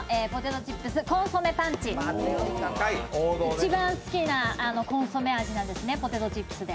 一番好きなコンソメ味なんですね、ポテトチップスで。